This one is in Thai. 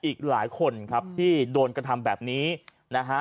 อีกหลายคนครับที่โดนกระทำแบบนี้นะฮะ